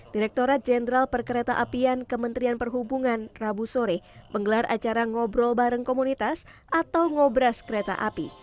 direkturat jenderal perkereta apian kementerian perhubungan rabu sore menggelar acara ngobrol bareng komunitas atau ngobras kereta api